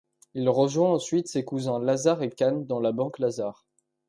Il rejoint ensuite ses cousins Lazard et Cahn dans la Banque Lazard.